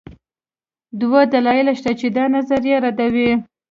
دوه دلایل شته چې دا نظریه ردوي.